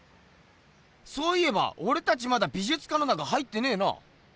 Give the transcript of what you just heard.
そういえばオレたちまだ美じゅつかんの中入ってねえな。